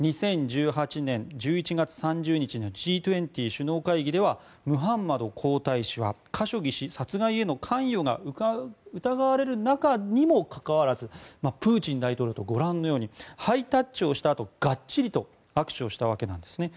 ２０１８年１１月３０日のＧ２０首脳会議ではムハンマド皇太子はカショギ氏殺害への関与が疑われる中にもかかわらずプーチン大統領とご覧のようにハイタッチをしたあとがっちりと握手をしたわけなんですね。